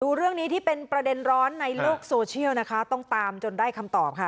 ดูเรื่องนี้ที่เป็นประเด็นร้อนในโลกโซเชียลนะคะต้องตามจนได้คำตอบค่ะ